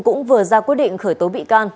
cũng vừa ra quyết định khởi tố bị can